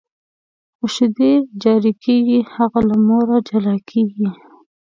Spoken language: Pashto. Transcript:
خو شیدې جاري کېږي، هغه له مور جلا کېږي.